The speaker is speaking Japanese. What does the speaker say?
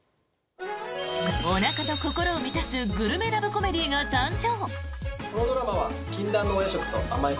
おなかと心を満たすグルメラブコメディーが誕生！